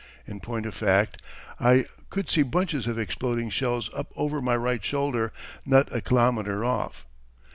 In point of fact, I could see bunches of exploding shells up over my right shoulder not a kilometre off.